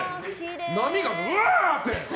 波がうわあ！って。